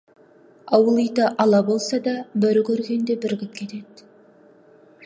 Ауыл иті ала болса да, бөрі көргенде бірігіп кетеді.